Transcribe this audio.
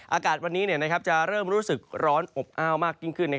อากาศวันนี้จะเริ่มรู้สึกร้อนอบอ้าวมากยิ่งขึ้น